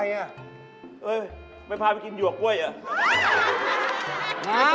เอ้ยไปพาไปกินหยวกบ้วยน่ะ